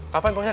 kapan pak ustadz